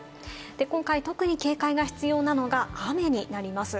今回、特に警戒が必要なのが雨になります。